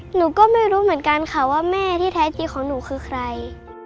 หนูก็ไม่รู้เหมือนกันค่ะว่าแม่ที่แท้จริงของหนูคือใคร